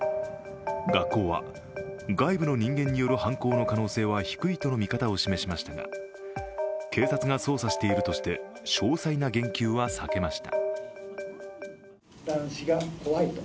学校は、外部の人間による犯行の可能性は低いとの見方を示しましたが警察が捜査しているとして詳細な言及は避けました。